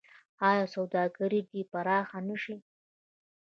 آیا سوداګري دې پراخه نشي؟